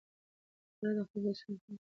اداره د خلکو د ستونزو حل ته چمتو ده.